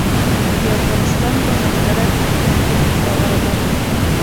د افغانستان په منظره کې ځمکه ښکاره ده.